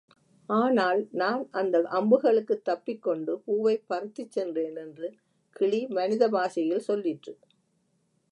ஆனால், நான் அந்த அம்புகளுக்குத் தப்பிக்கொண்டு பூவைப் பறித்துச்சென்றேன் என்று கிளி மனித பாஷையில் சொல்லிற்று.